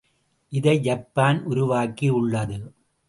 இதை ஜப்பான் உருவாக்கி உள்ளது.